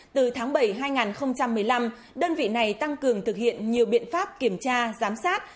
từ tháng bảy hai nghìn một mươi năm đơn vị này tăng cường thực hiện nhiều biện pháp kiểm tra giám sát